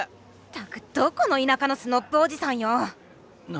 たくどこの田舎のスノッブおじさんよ！